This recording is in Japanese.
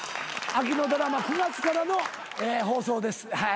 秋のドラマ９月からの放送です。